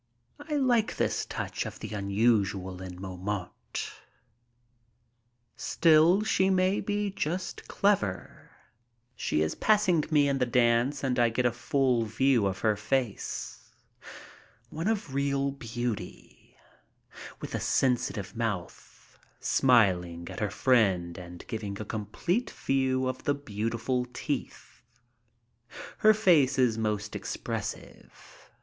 I like this touch of the unusual in Montmartre. Still she may be just clever. She is passing me in the dance and I get a full view of her face. One of real beauty, with a sensitive mouth, smiling at her friend and giving a complete view of the beautiful teeth. Her face is most expressive.